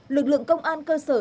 lực lượng công an cơ sở